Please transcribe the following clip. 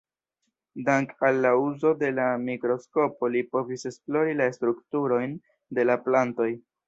Dank'al la uzo de la mikroskopo li povis esplori la strukturojn de la plantoj.